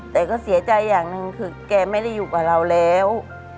แต่ก็เสียใจอย่างหนึ่งคือแกไม่ได้อยู่กับเราแล้ว